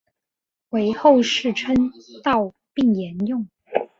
为后世称道并沿用。